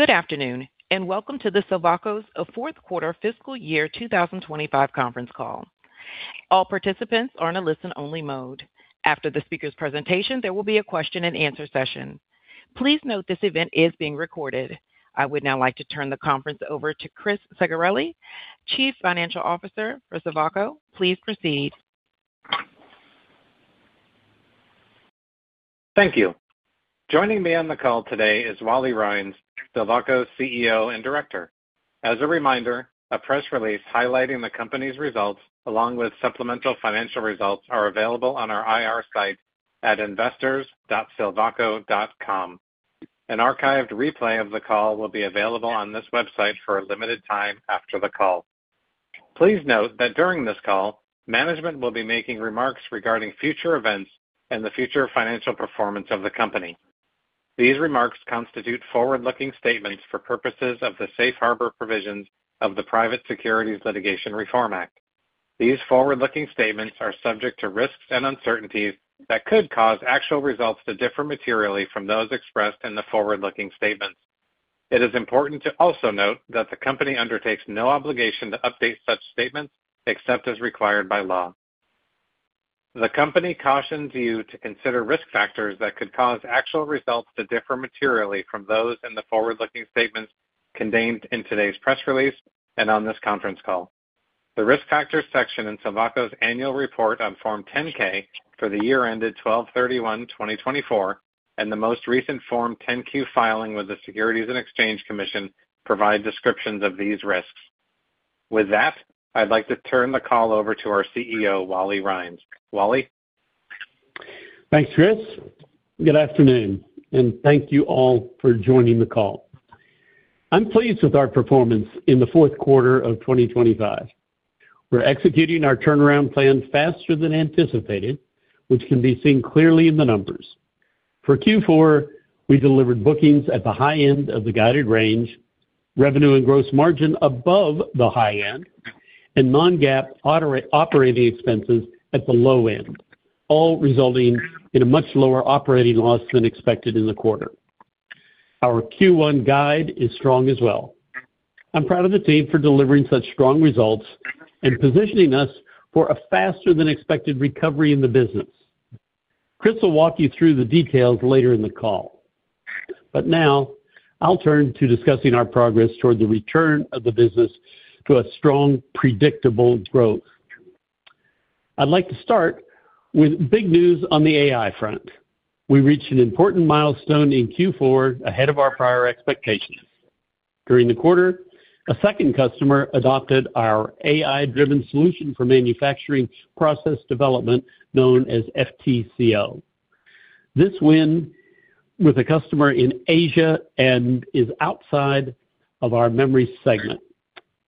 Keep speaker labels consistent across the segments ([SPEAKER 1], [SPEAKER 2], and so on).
[SPEAKER 1] Good afternoon, welcome to Silvaco's Fourth Quarter Fiscal Year 2025 Conference Call. All participants are in a listen-only mode. After the speaker's presentation, there will be a question-and-answer session. Please note this event is being recorded. I would now like to turn the conference over to Chris Zegarelli, Chief Financial Officer for Silvaco. Please proceed.
[SPEAKER 2] Thank you. Joining me on the call today is Wally Rhines, Silvaco's CEO and Director. As a reminder, a press release highlighting the company's results along with supplemental financial results are available on our IR site at investors.silvaco.com. An archived replay of the call will be available on this website for a limited time after the call. Please note that during this call, management will be making remarks regarding future events and the future financial performance of the company. These remarks constitute forward-looking statements for purposes of the safe harbor provisions of the Private Securities Litigation Reform Act. These forward-looking statements are subject to risks and uncertainties that could cause actual results to differ materially from those expressed in the forward-looking statements. It is important to also note that the company undertakes no obligation to update such statements except as required by law. The company cautions you to consider risk factors that could cause actual results to differ materially from those in the forward-looking statements contained in today's press release and on this conference call. The Risk Factors section in Silvaco's Annual Report on Form 10-K for the year ended 12/31/2024, and the most recent Form 10-Q filing with the Securities and Exchange Commission provide descriptions of these risks. With that, I'd like to turn the call over to our CEO, Wally Rhines. Wally?
[SPEAKER 3] Thanks, Chris. Good afternoon, and thank you all for joining the call. I'm pleased with our performance in the fourth quarter of 2025. We're executing our turnaround plan faster than anticipated, which can be seen clearly in the numbers. For Q4, we delivered bookings at the high end of the guided range, revenue and gross margin above the high end, and non-GAAP operating expenses at the low end, all resulting in a much lower operating loss than expected in the quarter. Our Q1 guide is strong as well. I'm proud of the team for delivering such strong results and positioning us for a faster than expected recovery in the business. Chris will walk you through the details later in the call. Now I'll turn to discussing our progress toward the return of the business to a strong, predictable growth. I'd like to start with big news on the AI front. We reached an important milestone in Q4 ahead of our prior expectations. During the quarter, a second customer adopted our AI-driven solution for manufacturing process development known as FTCO. This win is with a customer in Asia and is outside of our memory segment.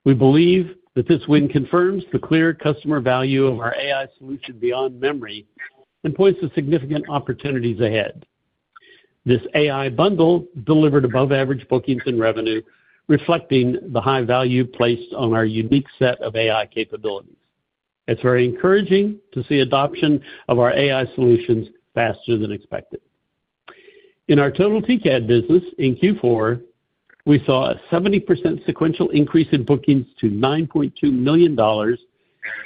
[SPEAKER 3] We believe that this win confirms the clear customer value of our AI solution beyond memory and points to significant opportunities ahead. This AI bundle delivered above average bookings and revenue, reflecting the high value placed on our unique set of AI capabilities. It's very encouraging to see adoption of our AI solutions faster than expected. In our total TCAD business in Q4, we saw a 70% sequential increase in bookings to $9.2 million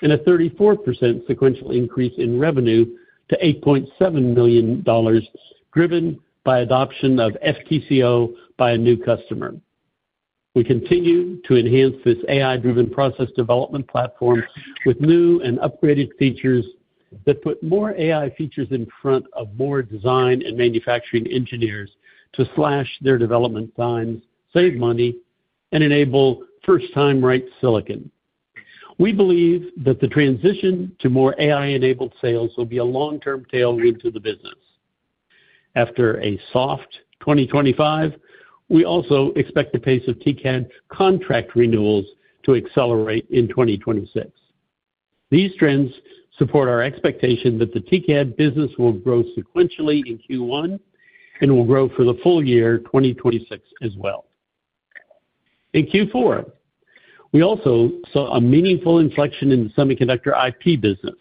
[SPEAKER 3] and a 34% sequential increase in revenue to $8.7 million, driven by adoption of FTCO by a new customer. We continue to enhance this AI-driven process development platform with new and upgraded features that put more AI features in front of more design and manufacturing engineers to slash their development times, save money, and enable first-time right silicon. We believe that the transition to more AI-enabled sales will be a long-term tailwind to the business. After a soft 2025, we also expect the pace of TCAD contract renewals to accelerate in 2026. These trends support our expectation that the TCAD business will grow sequentially in Q1 and will grow for the full year 2026 as well. In Q4, we also saw a meaningful inflection in the semiconductor IP business.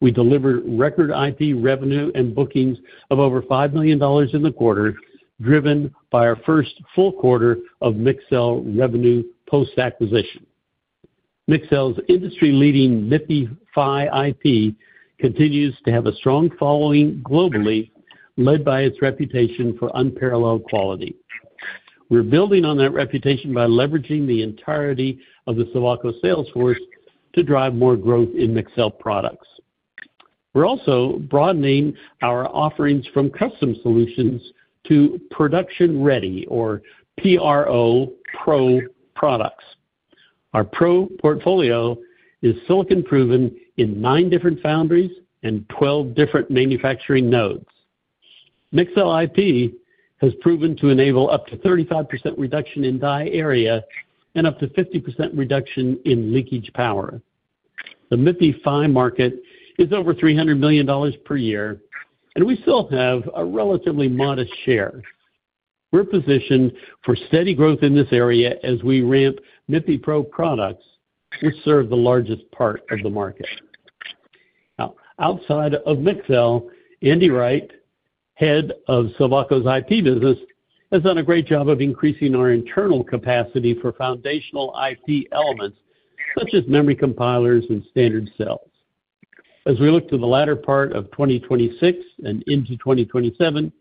[SPEAKER 3] We delivered record IP revenue and bookings of over $5 million in the quarter, driven by our first full quarter of Mixel revenue post-acquisition. Mixel's industry-leading MIPI PHY IP continues to have a strong following globally, led by its reputation for unparalleled quality. We're building on that reputation by leveraging the entirety of the Silvaco sales force to drive more growth in Mixel products. We're also broadening our offerings from custom solutions to production-ready or Pro products. Our Pro portfolio is silicon proven in nine different foundries and 12 different manufacturing nodes. Mixel IP has proven to enable up to 35% reduction in die area and up to 50% reduction in leakage power. The MIPI PHY market is over $300 million per year, and we still have a relatively modest share. We're positioned for steady growth in this area as we ramp MIPI PRO products, which serve the largest part of the market. Now outside of Mixel, Andy Wright, head of Silvaco's IP business, has done a great job of increasing our internal capacity for foundational IP elements such as memory compilers and standard cells. As we look to the latter part of 2026 and into 2027,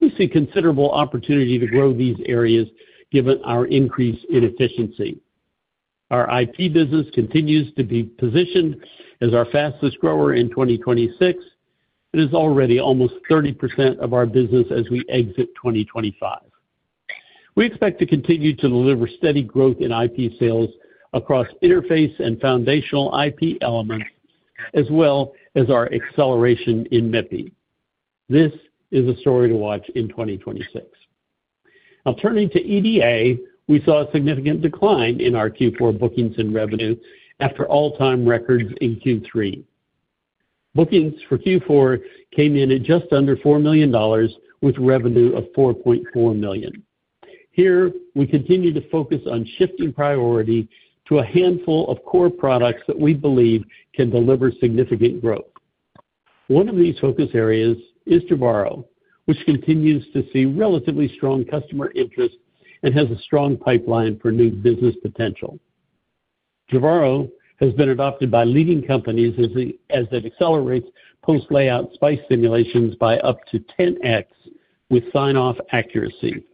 [SPEAKER 3] we see considerable opportunity to grow these areas given our increase in efficiency. Our IP business continues to be positioned as our fastest grower in 2026, and is already almost 30% of our business as we exit 2025. We expect to continue to deliver steady growth in IP sales across interface and foundational IP elements, as well as our acceleration in MIPI. This is a story to watch in 2026. Now turning to EDA, we saw a significant decline in our Q4 bookings and revenue after all-time records in Q3. Bookings for Q4 came in at just under $4 million with revenue of $4.4 million. Here we continue to focus on shifting priority to a handful of core products that we believe can deliver significant growth. One of these focus areas is Jivaro, which continues to see relatively strong customer interest and has a strong pipeline for new business potential. Jivaro has been adopted by leading companies as it accelerates post-layout SPICE simulations by up to 10x with sign-off accuracy.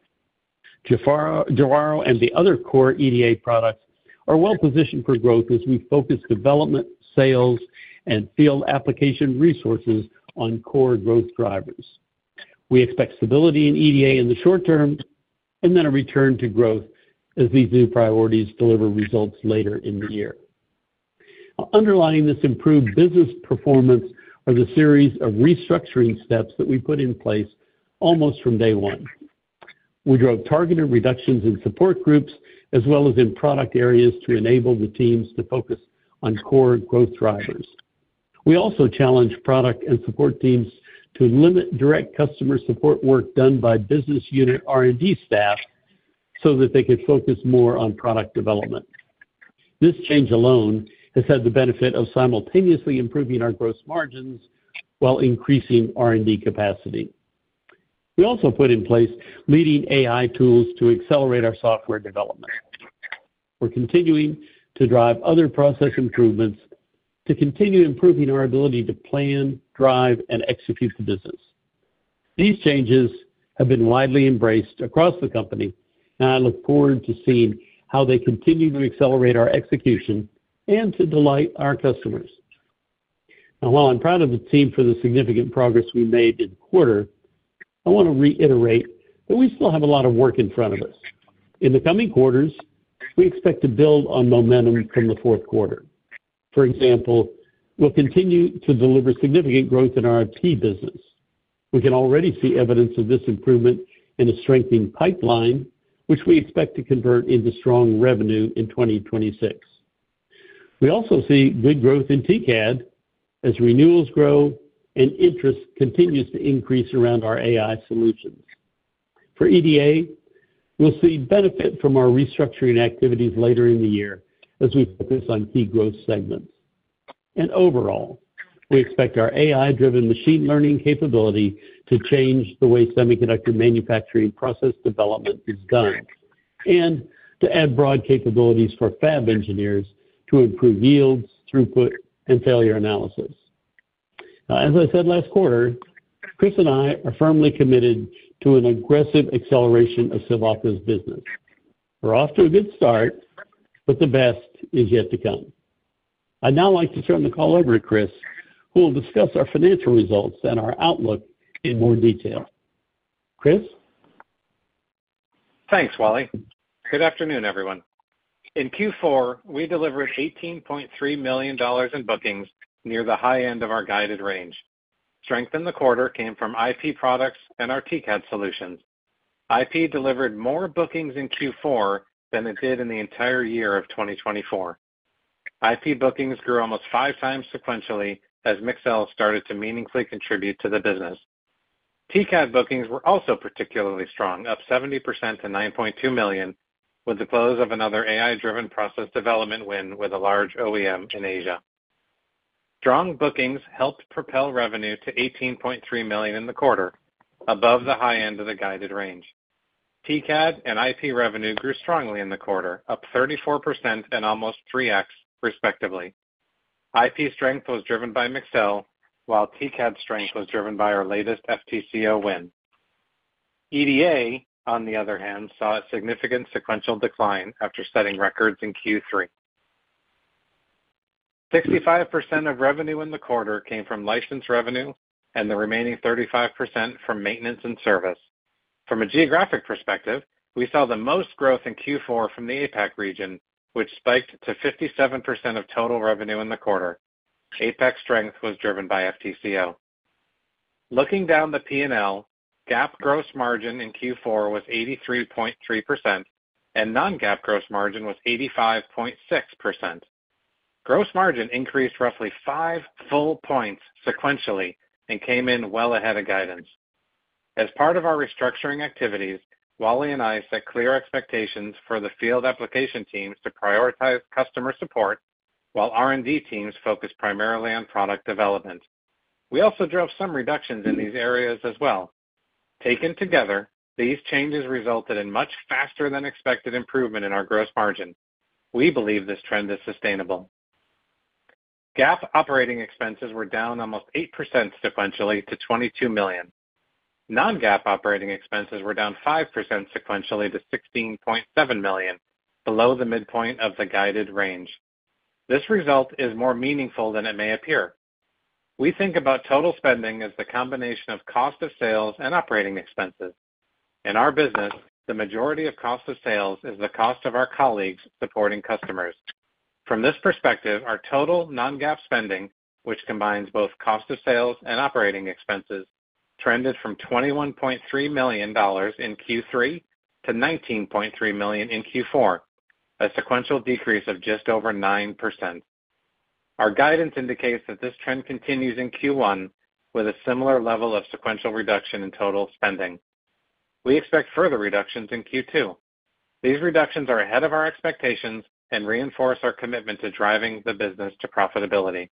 [SPEAKER 3] Jivaro and the other core EDA products are well positioned for growth as we focus development, sales and field application resources on core growth drivers. We expect stability in EDA in the short term and then a return to growth as these new priorities deliver results later in the year. Underlying this improved business performance are the series of restructuring steps that we put in place almost from day one. We drove targeted reductions in support groups as well as in product areas to enable the teams to focus on core growth drivers. We also challenged product and support teams to limit direct customer support work done by business unit R&D staff so that they could focus more on product development. This change alone has had the benefit of simultaneously improving our gross margins while increasing R&D capacity. We also put in place leading AI tools to accelerate our software development. We're continuing to drive other process improvements to continue improving our ability to plan, drive, and execute the business. These changes have been widely embraced across the company, and I look forward to seeing how they continue to accelerate our execution and to delight our customers. Now, while I'm proud of the team for the significant progress we made in the quarter, I want to reiterate that we still have a lot of work in front of us. In the coming quarters, we expect to build on momentum from the fourth quarter. For example, we'll continue to deliver significant growth in our IP business. We can already see evidence of this improvement in a strengthening pipeline, which we expect to convert into strong revenue in 2026. We also see good growth in TCAD as renewals grow and interest continues to increase around our AI solutions. For EDA, we'll see benefit from our restructuring activities later in the year as we focus on key growth segments. Overall, we expect our AI-driven machine learning capability to change the way semiconductor manufacturing process development is done, and to add broad capabilities for fab engineers to improve yields, throughput, and failure analysis. Now, as I said last quarter, Chris and I are firmly committed to an aggressive acceleration of Silvaco's business. We're off to a good start, but the best is yet to come. I'd now like to turn the call over to Chris, who will discuss our financial results and our outlook in more detail. Chris?
[SPEAKER 2] Thanks, Wally. Good afternoon, everyone. In Q4, we delivered $18.3 million in bookings, near the high end of our guided range. Strength in the quarter came from IP products and our TCAD solutions. IP delivered more bookings in Q4 than it did in the entire year of 2024. IP bookings grew almost 5x sequentially as Mixel started to meaningfully contribute to the business. TCAD bookings were also particularly strong, up 70% to $9.2 million, with the close of another AI-driven process development win with a large OEM in Asia. Strong bookings helped propel revenue to $18.3 million in the quarter, above the high end of the guided range. TCAD and IP revenue grew strongly in the quarter, up 34% and almost 3x respectively. IP strength was driven by Mixel, while TCAD strength was driven by our latest FTCO win. EDA, on the other hand, saw a significant sequential decline after setting records in Q3. 65% of revenue in the quarter came from license revenue and the remaining 35% from maintenance and service. From a geographic perspective, we saw the most growth in Q4 from the APAC region, which spiked to 57% of total revenue in the quarter. APAC strength was driven by FTCO. Looking down the P&L, GAAP gross margin in Q4 was 83.3% and non-GAAP gross margin was 85.6%. Gross margin increased roughly five full points sequentially and came in well ahead of guidance. As part of our restructuring activities, Wally and I set clear expectations for the field application teams to prioritize customer support while R&D teams focus primarily on product development. We also drove some reductions in these areas as well. Taken together, these changes resulted in much faster than expected improvement in our gross margin. We believe this trend is sustainable. GAAP operating expenses were down almost 8% sequentially to $22 million. Non-GAAP operating expenses were down 5% sequentially to $16.7 million, below the midpoint of the guided range. This result is more meaningful than it may appear. We think about total spending as the combination of cost of sales and operating expenses. In our business, the majority of cost of sales is the cost of our colleagues supporting customers. From this perspective, our total non-GAAP spending, which combines both cost of sales and operating expenses, trended from $21.3 million in Q3 to $19.3 million in Q4, a sequential decrease of just over 9%. Our guidance indicates that this trend continues in Q1 with a similar level of sequential reduction in total spending. We expect further reductions in Q2. These reductions are ahead of our expectations and reinforce our commitment to driving the business to profitability.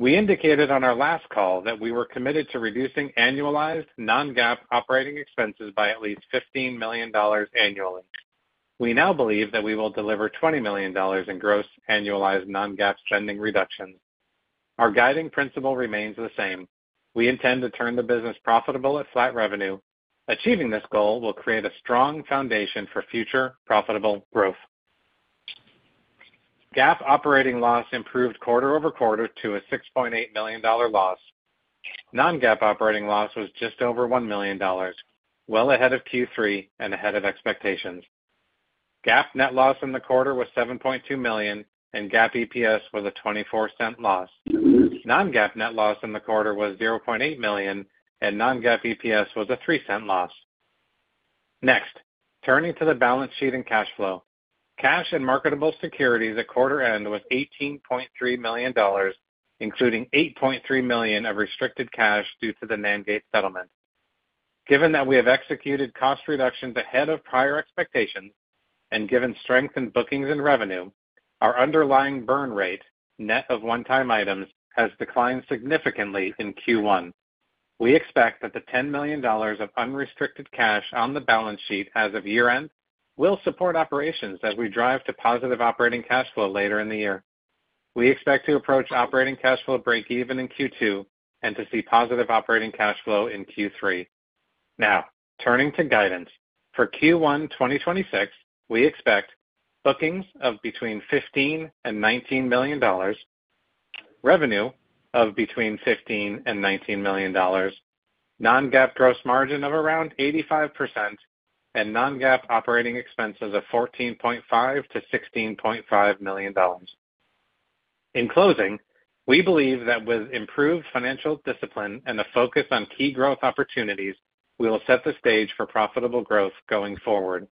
[SPEAKER 2] We indicated on our last call that we were committed to reducing annualized non-GAAP operating expenses by at least $15 million annually. We now believe that we will deliver $20 million in gross annualized non-GAAP spending reductions. Our guiding principle remains the same. We intend to turn the business profitable at flat revenue. Achieving this goal will create a strong foundation for future profitable growth. GAAP operating loss improved quarter-over-quarter to a $6.8 million loss. Non-GAAP operating loss was just over $1 million, well ahead of Q3 and ahead of expectations. GAAP net loss in the quarter was $7.2 million, and GAAP EPS was a $(0.24) loss. Non-GAAP net loss in the quarter was $0.8 million, and non-GAAP EPS was a $(0.03) loss. Next, turning to the balance sheet and cash flow. Cash and marketable securities at quarter end was $18.3 million, including $8.3 million of restricted cash due to the NanGate settlement. Given that we have executed cost reductions ahead of prior expectations and given strength in bookings and revenue, our underlying burn rate, net of one-time items, has declined significantly in Q1. We expect that the $10 million of unrestricted cash on the balance sheet as of year-end will support operations as we drive to positive operating cash flow later in the year. We expect to approach operating cash flow breakeven in Q2 and to see positive operating cash flow in Q3. Now, turning to guidance. For Q1 2026, we expect bookings of between $15 million and $19 million, revenue of between $15 million and $19 million, non-GAAP gross margin of around 85%, and non-GAAP operating expenses of $14.5 million-$16.5 million. In closing, we believe that with improved financial discipline and the focus on key growth opportunities, we will set the stage for profitable growth going forward.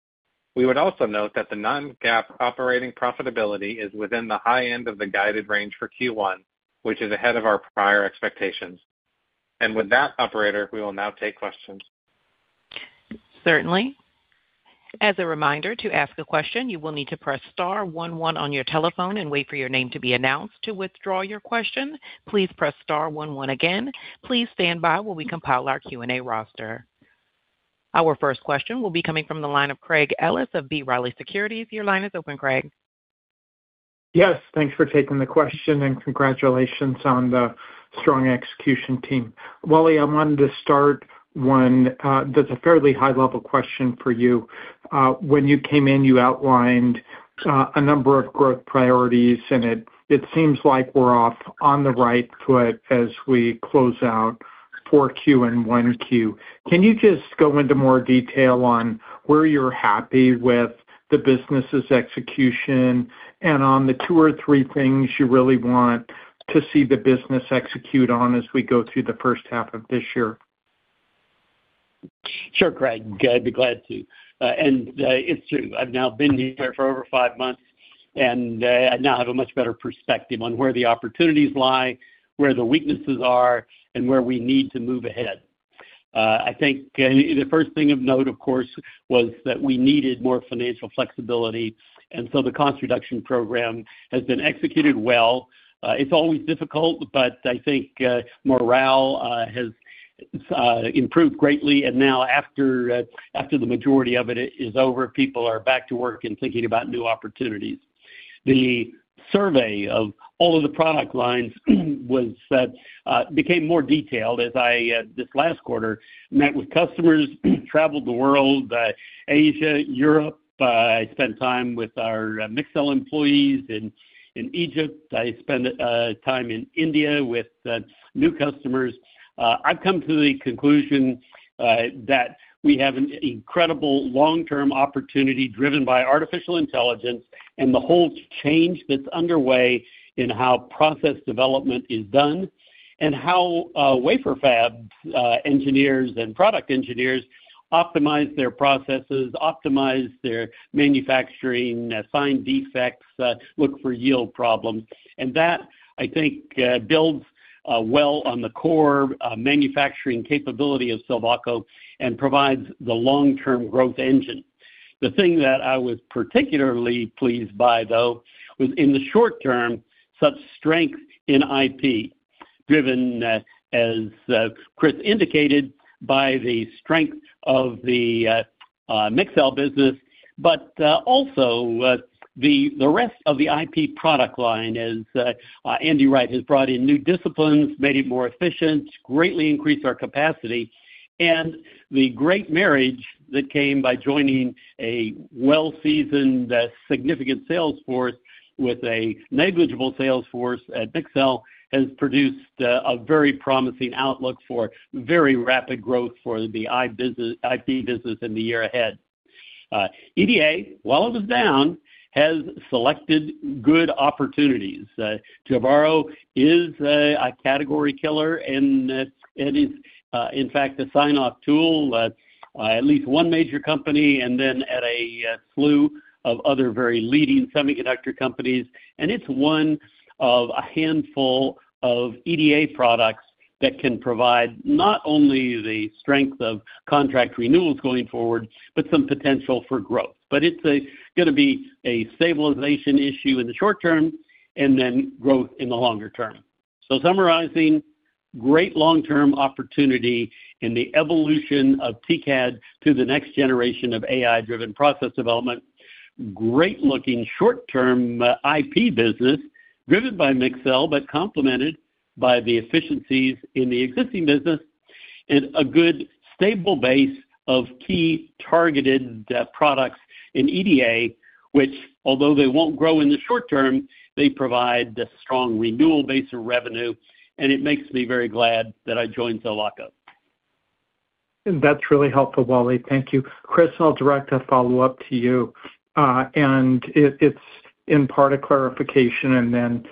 [SPEAKER 2] We would also note that the non-GAAP operating profitability is within the high end of the guided range for Q1, which is ahead of our prior expectations. With that operator, we will now take questions.
[SPEAKER 1] Certainly. As a reminder, to ask a question, you will need to press star one one on your telephone and wait for your name to be announced. To withdraw your question, please press star one one again. Please stand by while we compile our Q&A roster. Our first question will be coming from the line of Craig Ellis of B. Riley Securities. Your line is open, Craig.
[SPEAKER 4] Yes, thanks for taking the question and congratulations on the strong execution team. Wally, I wanted to start one that's a fairly high level question for you. When you came in, you outlined a number of growth priorities, and it seems like we're off on the right foot as we close out 4Q and 1Q. Can you just go into more detail on where you're happy with the business's execution and on the two or three things you really want to see the business execute on as we go through the first half of this year?
[SPEAKER 3] Sure, Craig. I'd be glad to. It's true. I've now been here for over five months, and I now have a much better perspective on where the opportunities lie, where the weaknesses are, and where we need to move ahead. I think the first thing of note, of course, was that we needed more financial flexibility, and so the cost reduction program has been executed well. It's always difficult, but I think morale has improved greatly. Now after the majority of it is over, people are back to work and thinking about new opportunities. The survey of all of the product lines was that became more detailed as I this last quarter met with customers, traveled the world, Asia, Europe. I spent time with our Mixel employees in Egypt. I spent time in India with new customers. I've come to the conclusion that we have an incredible long-term opportunity driven by artificial intelligence and the whole change that's underway in how process development is done and how wafer fab engineers and product engineers optimize their processes, optimize their manufacturing, find defects, look for yield problems. That, I think, builds well on the core manufacturing capability of Silvaco and provides the long-term growth engine. The thing that I was particularly pleased by though, was in the short term, such strength in IP. Driven, as Chris indicated, by the strength of the Mixel business, but also the rest of the IP product line as Andy Wright has brought in new disciplines, made it more efficient, greatly increased our capacity. The great marriage that came by joining a well-seasoned significant sales force with a negligible sales force at Mixel has produced a very promising outlook for very rapid growth for the IP business in the year ahead. EDA, while it was down, has selected good opportunities. Jivaro is a category killer and it is in fact a sign-off tool at least one major company and then at a slew of other very leading semiconductor companies. It's one of a handful of EDA products that can provide not only the strength of contract renewals going forward, but some potential for growth. It's gonna be a stabilization issue in the short term and then growth in the longer term. Summarizing, great long-term opportunity in the evolution of TCAD to the next generation of AI-driven process development. Great-looking short-term IP business driven by Mixel, but complemented by the efficiencies in the existing business and a good stable base of key targeted products in EDA, which although they won't grow in the short term, they provide a strong renewal base of revenue, and it makes me very glad that I joined Silvaco.
[SPEAKER 4] That's really helpful, Wally. Thank you. Chris, I'll direct a follow-up to you. It's in part a clarification and then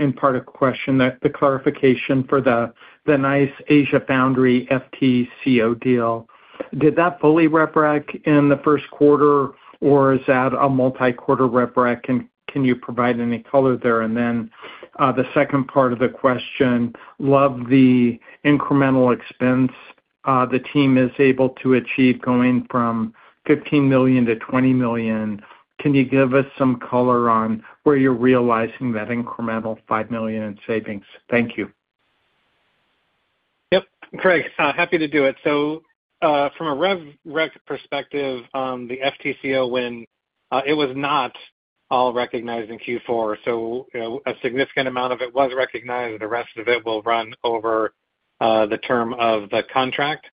[SPEAKER 4] in part a question, the clarification for the nice Asia Foundry FTCO deal. Did that fully rev rec in the first quarter, or is that a multi-quarter rev rec? Can you provide any color there? The second part of the question, love the incremental savings the team is able to achieve going from $20 million-$15 million. Can you give us some color on where you're realizing that incremental $5 million in savings? Thank you.
[SPEAKER 2] Yep. Craig, happy to do it. From a rev rec perspective on the FTCO win, it was not all recognized in Q4. You know, a significant amount of it was recognized. The rest of it will run over the term of the contract.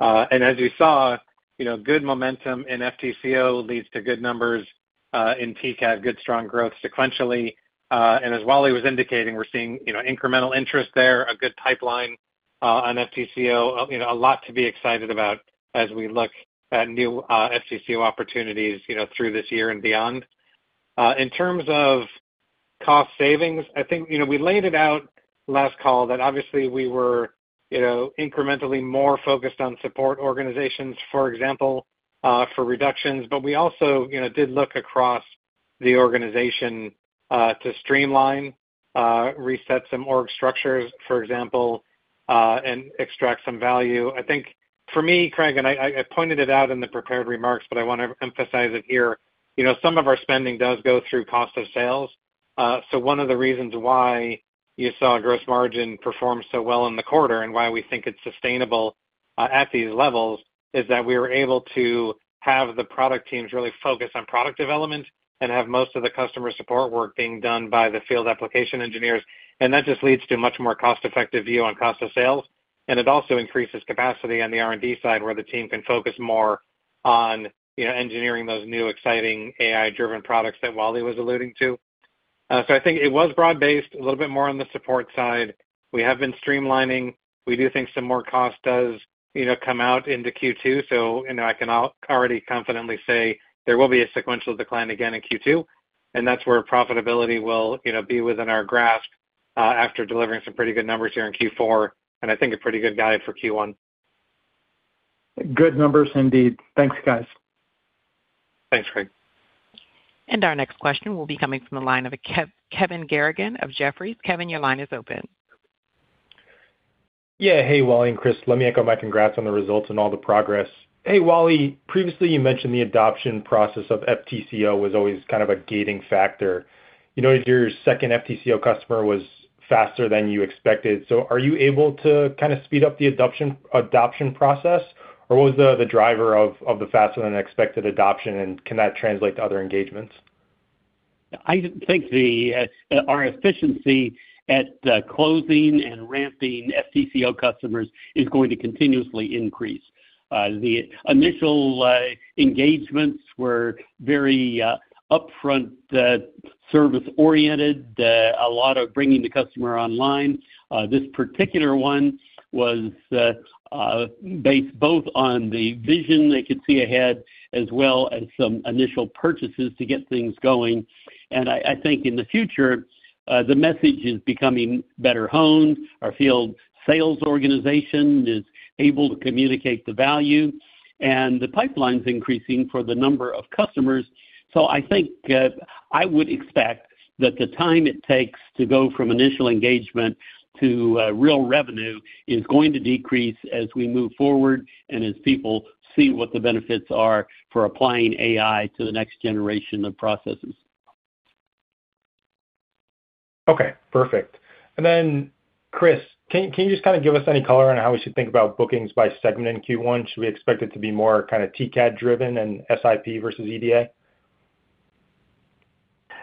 [SPEAKER 2] As you saw, you know, good momentum in FTCO leads to good numbers in TCAD, good strong growth sequentially. As Wally was indicating, we're seeing, you know, incremental interest there, a good pipeline on FTCO. You know, a lot to be excited about as we look at new FTCO opportunities, you know, through this year and beyond. In terms of cost savings, I think, you know, we laid it out last call that obviously we were, you know, incrementally more focused on support organizations, for example, for reductions. We also, you know, did look across the organization, to streamline, reset some org structures, for example, and extract some value. I think for me, Craig, I pointed it out in the prepared remarks, but I wanna emphasize it here. You know, some of our spending does go through cost of sales. One of the reasons why you saw gross margin perform so well in the quarter and why we think it's sustainable, at these levels is that we were able to have the product teams really focus on product development and have most of the customer support work being done by the field application engineers. That just leads to a much more cost-effective view on cost of sales, and it also increases capacity on the R&D side where the team can focus more on, you know, engineering those new exciting AI-driven products that Wally was alluding to. I think it was broad-based a little bit more on the support side. We have been streamlining. We do think some more cost does, you know, come out into Q2. You know, I can already confidently say there will be a sequential decline again in Q2, and that's where profitability will, you know, be within our grasp, after delivering some pretty good numbers here in Q4, and I think a pretty good guide for Q1.
[SPEAKER 4] Good numbers, indeed. Thanks, guys.
[SPEAKER 2] Thanks, Craig.
[SPEAKER 1] Our next question will be coming from the line of Kevin Garrigan of Jefferies. Kevin, your line is open.
[SPEAKER 5] Yeah. Hey, Wally and Chris, let me echo my congrats on the results and all the progress. Hey, Wally, previously, you mentioned the adoption process of FTCO was always kind of a gating factor. You noted your second FTCO customer was faster than you expected, so are you able to kind of speed up the adoption process? Or what was the driver of the faster than expected adoption, and can that translate to other engagements?
[SPEAKER 3] I think our efficiency at closing and ramping FTCO customers is going to continuously increase. The initial engagements were very upfront, service-oriented, a lot of bringing the customer online. This particular one was based both on the vision they could see ahead as well as some initial purchases to get things going. I think in the future the message is becoming better honed. Our field sales organization is able to communicate the value, and the pipeline's increasing for the number of customers. I think I would expect that the time it takes to go from initial engagement to real revenue is going to decrease as we move forward and as people see what the benefits are for applying AI to the next generation of processes.
[SPEAKER 5] Okay, perfect. Chris, can you just kind of give us any color on how we should think about bookings by segment in Q1? Should we expect it to be more kind of TCAD driven and SIP vs EDA?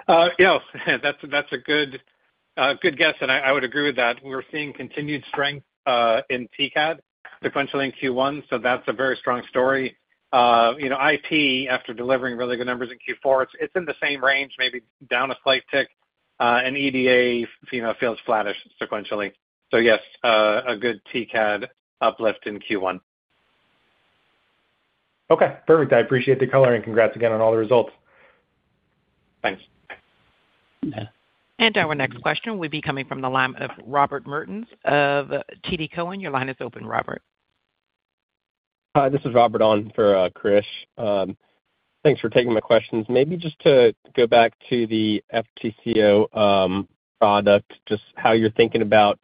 [SPEAKER 2] Yes. That's a good guess, and I would agree with that. We're seeing continued strength in TCAD sequentially in Q1, so that's a very strong story. You know, IP, after delivering really good numbers in Q4, it's in the same range, maybe down a slight tick. And EDA, you know, feels flattish sequentially. Yes, a good TCAD uplift in Q1.
[SPEAKER 5] Okay, perfect. I appreciate the color, and congrats again on all the results.
[SPEAKER 2] Thanks.
[SPEAKER 1] Our next question will be coming from the line of Robert Mertens of TD Cowen. Your line is open, Robert.
[SPEAKER 6] Hi, this is Robert Mertens on for Chris. Thanks for taking my questions. Maybe just to go back to the FTCO product, just how you're thinking about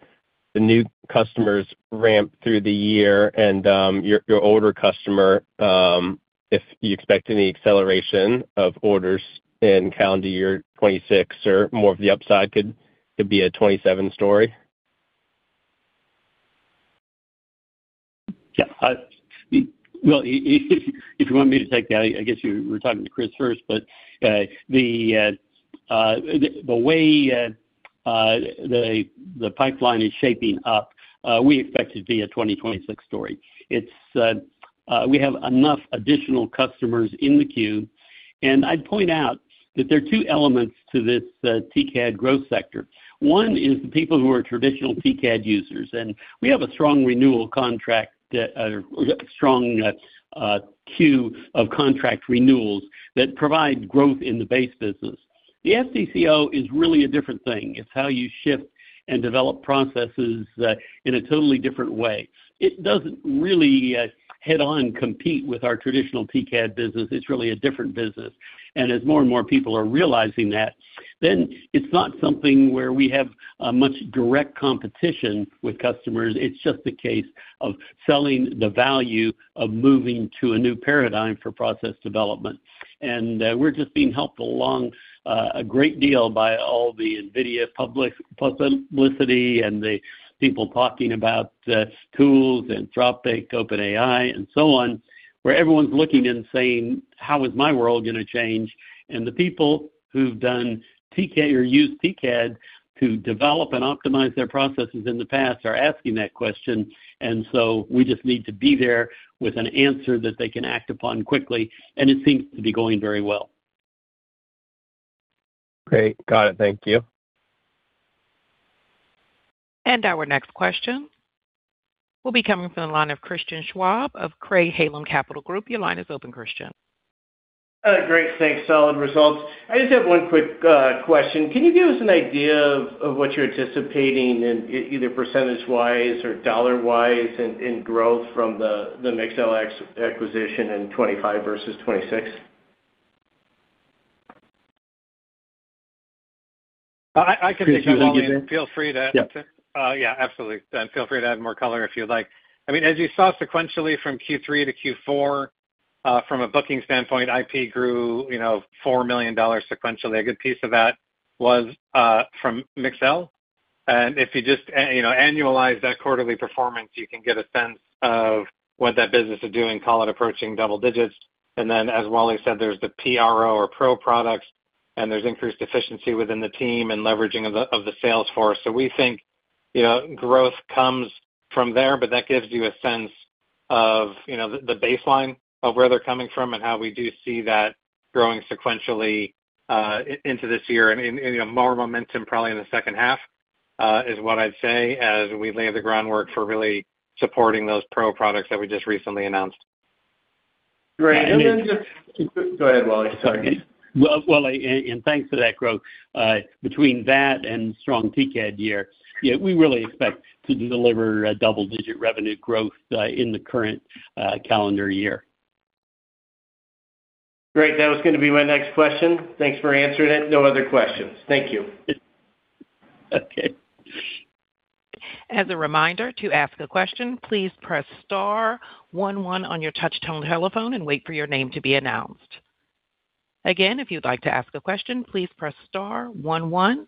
[SPEAKER 6] the new customers ramp through the year and your older customer, if you expect any acceleration of orders in calendar year 2026 or more of the upside could be a 2027 story.
[SPEAKER 3] Yeah. Well, if you want me to take that. I guess you were talking to Chris first, but the way the pipeline is shaping up, we expect it to be a 2026 story. We have enough additional customers in the queue. I'd point out that there are two elements to this TCAD growth sector. One is the people who are traditional TCAD users, and we have a strong renewal contract, strong queue of contract renewals that provide growth in the base business. The FTCO is really a different thing. It's how you ship and develop processes in a totally different way. It doesn't really head-on compete with our traditional TCAD business. It's really a different business. As more and more people are realizing that, then it's not something where we have much direct competition with customers. It's just a case of selling the value of moving to a new paradigm for process development. We're just being helped along a great deal by all the NVIDIA publicity and the people talking about tools, Anthropic, OpenAI, and so on, where everyone's looking and saying, "How is my world gonna change?" The people who've done TCAD or used TCAD to develop and optimize their processes in the past are asking that question. We just need to be there with an answer that they can act upon quickly, and it seems to be going very well.
[SPEAKER 6] Great. Got it. Thank you.
[SPEAKER 1] Our next question will be coming from the line of Christian Schwab of Craig-Hallum Capital Group. Your line is open, Christian.
[SPEAKER 7] Great. Thanks. Solid results. I just have one quick question. Can you give us an idea of what you're anticipating in either percentage-wise or dollar-wise in growth from the Mixel acquisition in 2025 vs 2026?
[SPEAKER 2] I can take that, Wally. Feel free to
[SPEAKER 7] Yeah.
[SPEAKER 2] Yeah, absolutely. Feel free to add more color if you'd like. I mean, as you saw sequentially from Q3 to Q4, from a booking standpoint, IP grew, you know, $4 million sequentially. A good piece of that was from Mixel. If you just you know, annualize that quarterly performance, you can get a sense of what that business is doing, call it approaching double digits. Then, as Wally said, there's the PRO products, and there's increased efficiency within the team and leveraging of the sales force. We think, you know, growth comes from there, but that gives you a sense of the baseline of where they're coming from and how we do see that growing sequentially into this year.
[SPEAKER 3] You know, more momentum probably in the second half is what I'd say as we lay the groundwork for really supporting those PRO products that we just recently announced.
[SPEAKER 7] Great.
[SPEAKER 3] And the-
[SPEAKER 7] Go ahead, Wally. Sorry.
[SPEAKER 3] Well, and thanks for that growth. Between that and strong TCAD year, yeah, we really expect to deliver double-digit revenue growth in the current calendar year.
[SPEAKER 7] Great. That was gonna be my next question. Thanks for answering it. No other questions. Thank you.
[SPEAKER 3] Okay.
[SPEAKER 1] As a reminder, to ask a question, please press star one one on your touchtone telephone and wait for your name to be announced. Again, if you'd like to ask a question, please press star one one.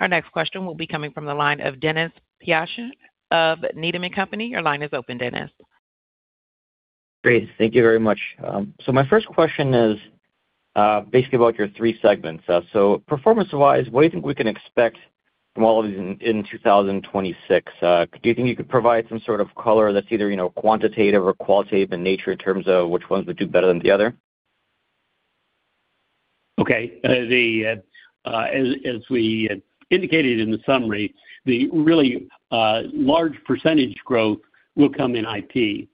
[SPEAKER 1] Our next question will be coming from the line of Charles Shi of Needham & Company. Your line is open, Charles.
[SPEAKER 8] Great. Thank you very much. My first question is basically about your three segments. Performance-wise, what do you think we can expect from all of these in 2026? Do you think you could provide some sort of color that's either, you know, quantitative or qualitative in nature in terms of which ones would do better than the other?
[SPEAKER 3] Okay. As we indicated in the summary, the really large percentage growth will come in IP.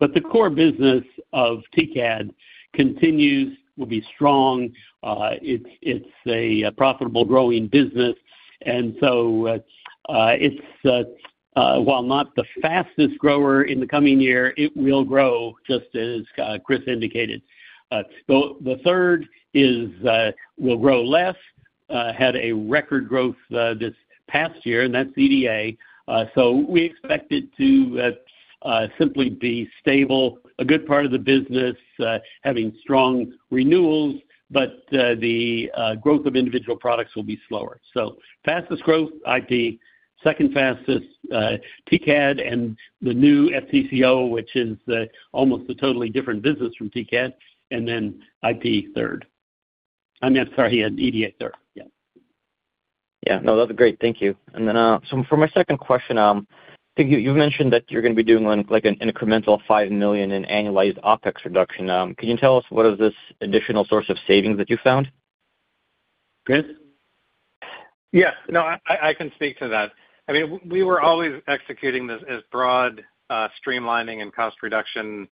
[SPEAKER 3] The core business of TCAD continues, will be strong. It's a profitable growing business. It's while not the fastest grower in the coming year, it will grow just as Chris indicated. Had a record growth this past year in that EDA. We expect it to simply be stable, a good part of the business, having strong renewals, but the growth of individual products will be slower. Fastest growth, IP. Second fastest, TCAD, and the new FTCO, which is the almost a totally different business from TCAD, and then IP third. I mean, I'm sorry, EDA third. Yeah.
[SPEAKER 8] Yeah. No, that's great. Thank you. For my second question, I think you mentioned that you're gonna be doing, like, an incremental $5 million in annualized OpEx reduction. Can you tell us what is this additional source of savings that you found?
[SPEAKER 3] Chris?
[SPEAKER 2] Yes. No, I can speak to that. I mean, we were always executing this as broad streamlining and cost reduction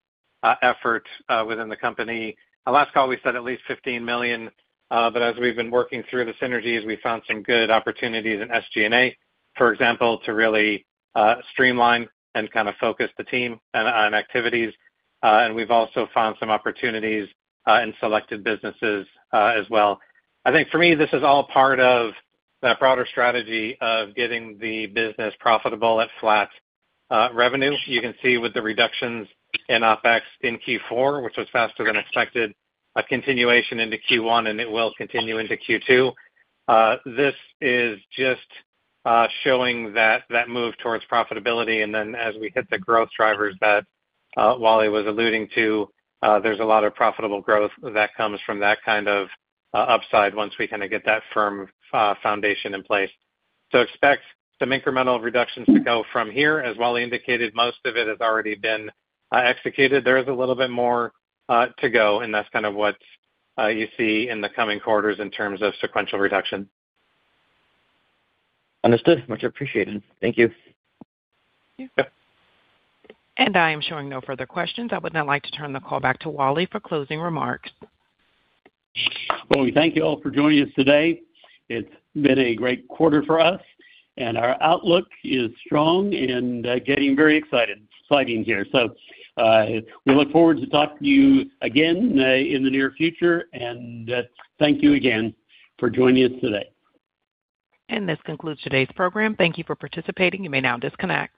[SPEAKER 2] effort within the company. At last call, we said at least $15 million, but as we've been working through the synergies, we found some good opportunities in SG&A, for example, to really streamline and kind of focus the team on activities. We've also found some opportunities in selected businesses as well. I think for me, this is all part of that broader strategy of getting the business profitable at flat revenue. You can see with the reductions in OpEx in Q4, which was faster than expected, a continuation into Q1, and it will continue into Q2. This is just showing that move towards profitability, and then as we hit the growth drivers that Wally was alluding to, there's a lot of profitable growth that comes from that kind of upside once we kinda get that firm foundation in place. Expect some incremental reductions to go from here. As Wally indicated, most of it has already been executed. There is a little bit more to go, and that's kind of what you see in the coming quarters in terms of sequential reduction.
[SPEAKER 8] Understood. Much appreciated. Thank you.
[SPEAKER 3] Yeah.
[SPEAKER 2] Yeah.
[SPEAKER 1] I am showing no further questions. I would now like to turn the call back to Wally for closing remarks.
[SPEAKER 3] Well, we thank you all for joining us today. It's been a great quarter for us, and our outlook is strong and getting very exciting here. We look forward to talking to you again in the near future, and thank you again for joining us today.
[SPEAKER 1] This concludes today's program. Thank you for participating. You may now disconnect.